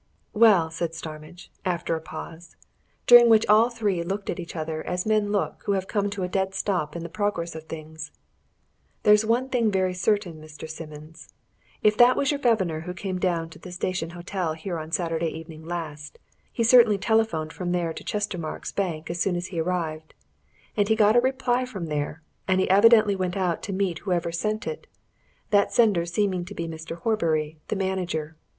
"Well," said Starmidge, after a pause, during which all three looked at each other as men look who have come to a dead stop in the progress of things, "there's one thing very certain, Mr. Simmons. If that was your governor who came down to the Station Hotel here on Saturday evening last, he certainly telephoned from there to Chestermarke's Bank as soon as he arrived. And he got a reply from there, and he evidently went out to meet whoever sent it that sender seeming to be Mr. Horbury, the manager.